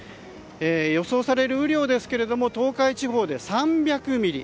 予想される雨量ですが東海地方で３００ミリ。